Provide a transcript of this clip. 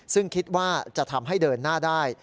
ซึ่งคิดว่าจะทำให้เดินหน้าได้